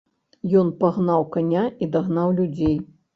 Ён пагнаў каня і дагнаў людзей.